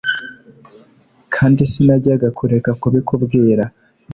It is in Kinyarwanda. kandi sinajyaga kureka kubikubwira"